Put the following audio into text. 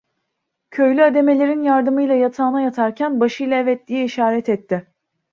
Köylü, hademelerin yardımıyla yatağına yatarken, başıyla evet diye işaret etti.